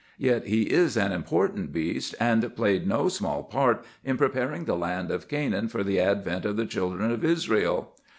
Yet he is an important beast, and played no small part in preparing the land of Canaan for the advent of the children of Israel.